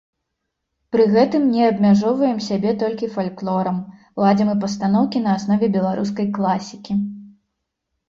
Пры гэтым не абмяжоўваем сябе толькі фальклорам, ладзім і пастаноўкі на аснове беларускай класікі.